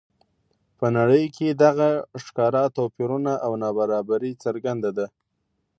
په نړۍ کې دغه ښکاره توپیرونه او نابرابري څرګنده ده.